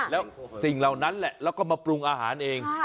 แล้วสิ่งเหล่านั้นแหละแล้วก็มาปรุงอาหารเอง